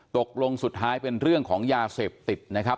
ตกลงสุดท้ายเป็นเรื่องของยาเสพติดนะครับ